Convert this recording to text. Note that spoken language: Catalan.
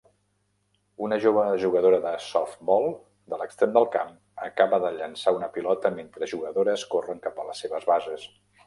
Una jove jugadora de softbol de l'extrem del camp acaba de llançar una pilota mentre jugadores corren cap a les seves bases.